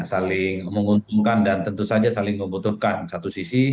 saling menguntungkan dan tentu saja saling membutuhkan satu sisi